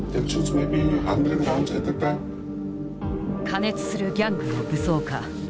過熱するギャングの武装化。